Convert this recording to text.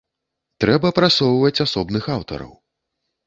Трэба прасоўваць асобных аўтараў.